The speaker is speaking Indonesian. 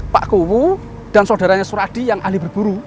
pak kewu dan saudaranya suradi yang ahli berburu